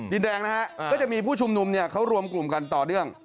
ดินแดงนะฮะก็จะมีผู้ชุมนุมเนี่ยเขารวมกลุ่มกันต่อเนื่อง